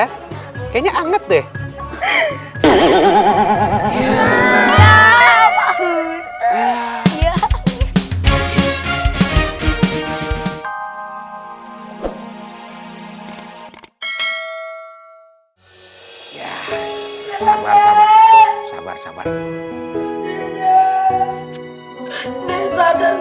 kayaknya anget deh ya sabar sabar sabar sabar